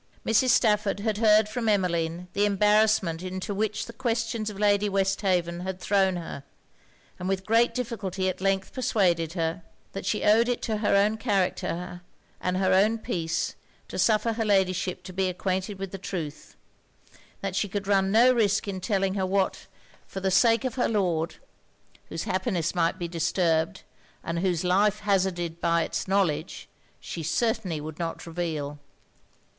Mrs. Stafford had heard from Emmeline the embarrassment into which the questions of Lady Westhaven had thrown her; and with great difficulty at length persuaded her, that she owed it to her own character and her own peace to suffer her Ladyship to be acquainted with the truth: that she could run no risk in telling her what, for the sake of her Lord (whose happiness might be disturbed, and whose life hazarded by it's knowledge) she certainly would not reveal.